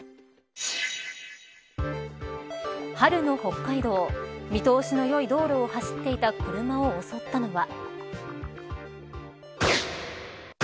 春の北海道見通しのよい道路を走っていた車を襲ったのは。